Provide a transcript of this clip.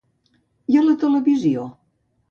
I a la televisió?